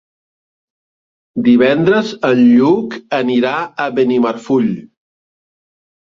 Divendres en Lluc anirà a Benimarfull.